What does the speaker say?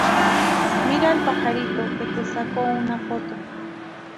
Mira al pajarito que te saco una foto